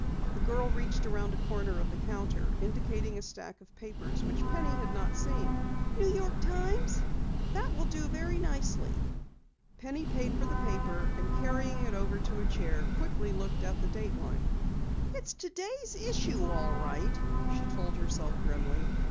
The girl reached around a corner of the counter, indicating a stack of papers which Penny had not seen. "New York Times?" "That will do very nicely." Penny paid for the paper and carrying it over to a chair, quickly looked at the dateline. "It's today's issue, all right," she told herself grimly.